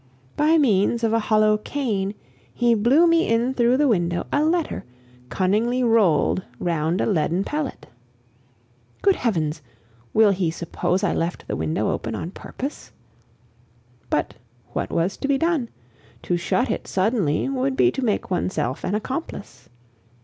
By means of a hollow cane he blew me in through the window a letter, cunningly rolled round a leaden pellet. Good Heavens! will he suppose I left the window open on purpose? But what was to be done? To shut it suddenly would be to make oneself an accomplice.